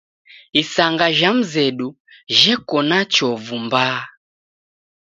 Isanga jha mzedu jheko na chovu mbaha.